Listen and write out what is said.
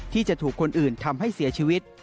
ที่จะถูกคนอื่นทำให้เสียชีวิต